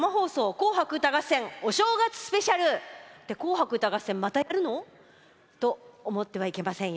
紅白歌合戦のお正月スペシャル」「紅白歌合戦」またやるの？と思ってはいけませんよ。